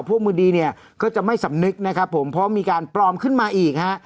มือดีเนี่ยก็จะไม่สำนึกนะครับผมเพราะมีการปลอมขึ้นมาอีกฮะ